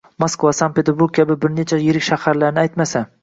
Moskva, Sankt-Peterburg kabi bir necha yirik shaharni aytmasa